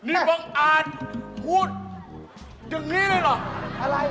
นี้บ้างอากบอกอย่างนี้เลยเหรอ